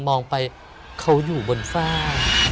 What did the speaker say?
มองไปเขาอยู่บนฝ้า